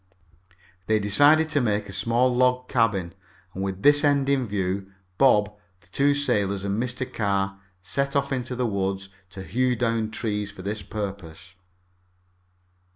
They decided to make a small log cabin, and, with this end in view, Bob, the two sailors, and Mr. Carr set off into the woods to hew down trees for this purpose.